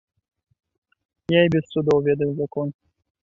Я і без судоў ведаю закон.